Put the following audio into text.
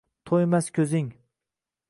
to’ymas ko’zing